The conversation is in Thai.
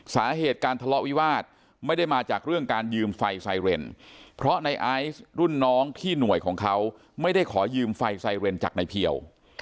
สาเหตุการทะเลาะวิวาสไม่ได้มาจากเรื่องการยืมไฟไซเรนเพราะในไอซ์รุ่นน้องที่หน่วยของเขาไม่ได้ขอยืมไฟไซเรนจากในเพียว